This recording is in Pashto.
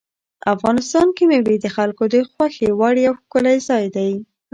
افغانستان کې مېوې د خلکو د خوښې وړ یو ښکلی ځای دی.